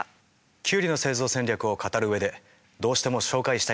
キュウリの生存戦略を語る上でどうしても紹介したい人がいます。